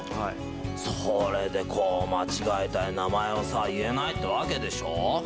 それで間違えたり名前をさ言えないってわけでしょ。